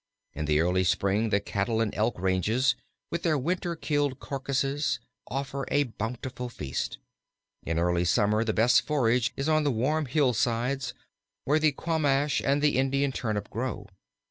In the early spring the Cattle and Elk ranges, with their winter killed carcasses, offer a bountiful feast. In early summer the best forage is on the warm hillsides where the quamash and the Indian turnip grow.